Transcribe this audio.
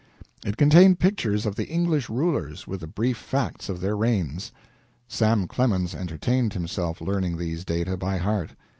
It contained pictures of the English rulers with the brief facts of their reigns. Sam Clemens entertained himself learning these data by heart.